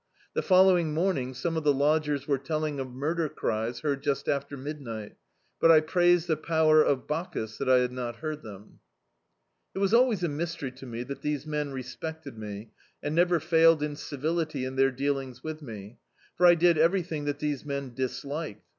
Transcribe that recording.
The following morn ing some of the lodgers were telling of murder cries heard just after midni^t, but I praised the power of Bacchus that I had not heard them. It was always a mysteiy to me that these men respected me and never failed in civility in their dealings with me, for I did everything that these men disliked.